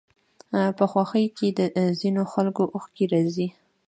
په خوښيو کې د ځينو خلکو اوښکې راځي.